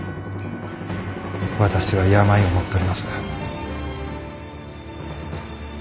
私は病を持っとります。